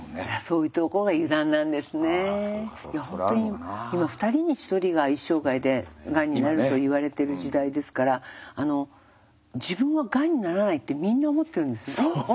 いや本当に今２人に１人が一生涯でがんになるといわれてる時代ですから自分はがんにならないってみんな思ってるんです。